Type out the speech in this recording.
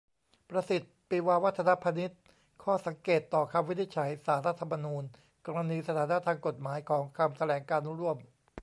ประสิทธิ์ ปิวาวัฒนพานิช : ข้อสังเกตต่อคำวินิจฉัยศาลรัฐธรรมนูญ กรณีสถานะทางกฎหมายของคำแถลงการณ์ร่วม